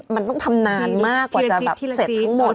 มันต้องทำนานมากกว่าจะแบบเสร็จทั้งหมด